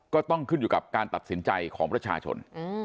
ก็ต้องขึ้นอยู่กับการตัดสินใจของประชาชน